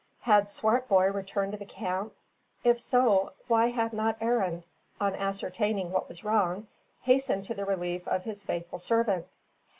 Had Swartboy returned to the camp? If so, why had not Arend, on ascertaining what was wrong, hastened to the relief of his faithful servant?